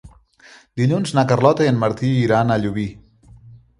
Dilluns na Carlota i en Martí iran a Llubí.